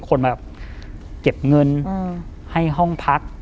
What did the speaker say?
คนมาแบบเก็บเงินให้ห้องพัก